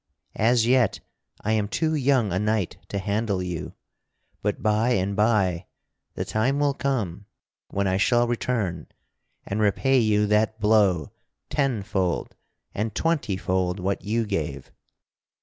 As yet I am too young a knight to handle you; but by and by the time will come when I shall return and repay you that blow tenfold and twentyfold what you gave!"